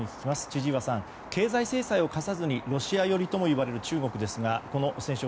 千々岩さん、経済制裁を科さずにロシア寄りともいわれる中国ですがこの戦勝